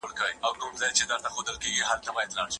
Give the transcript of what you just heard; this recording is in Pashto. هغې خپل کار د زده کړې وسیله وګرځوله.